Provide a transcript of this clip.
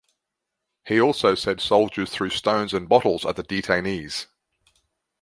He also said soldiers threw stones and bottles at detainees.